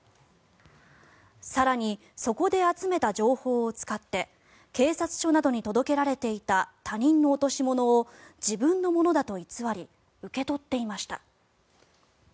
更に、そこで集めた情報を使って警察署などに届けられていた他人の落とし物を自分のものだと偽り受け取っていました。